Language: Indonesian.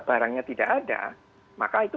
barangnya tidak ada maka itu